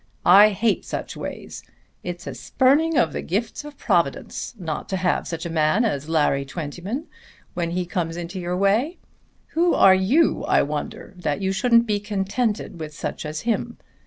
I hate such ways. It's a spurning of the gifts of Providence not to have such a man as Lawrence Twentyman when he comes in your way. Who are you, I wonder, that you shouldn't be contented with such as him?